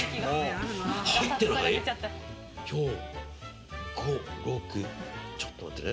４５６ちょっと待ってね。